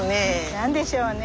何でしょうね。